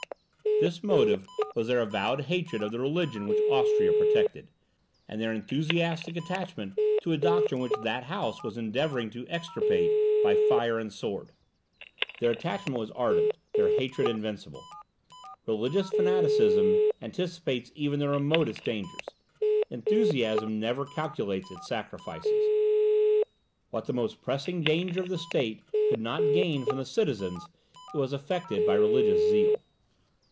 This motive was their avowed hatred of the religion which Austria protected, and their enthusiastic attachment to a doctrine which that House was endeavouring to extirpate by fire and sword. Their attachment was ardent, their hatred invincible. Religious fanaticism anticipates even the remotest dangers. Enthusiasm never calculates its sacrifices. What the most pressing danger of the state could not gain from the citizens, was effected by religious zeal.